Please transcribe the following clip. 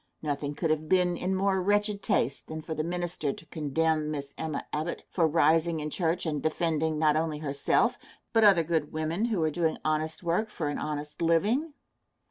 Nothing could have been in more wretched taste than for the minister to condemn Miss Emma Abbott for rising in church and defending not only herself, but other good women who are doing honest work for an honest living.